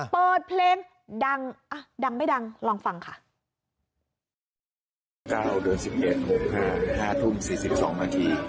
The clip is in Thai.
เปิดเพลงดังดังไม่ดังลองฟังค่ะ